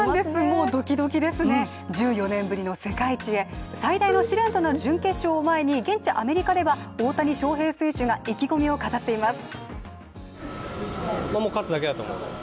もうドキドキですね、１４年ぶりの世界一へ、最大の試練となる準決勝を前に、現地アメリカでは大谷翔平選手が意気込みを語っています。